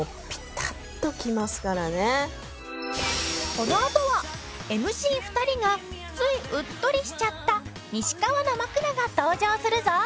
このあとはＭＣ２人がついうっとりしちゃった西川の枕が登場するぞ！